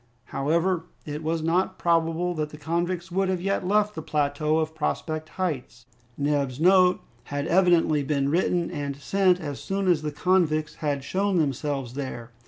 However, it was not probable that the convicts would have yet left the plateau of Prospect Heights. Neb's note had evidently been written and sent as soon as the convicts had shown themselves there.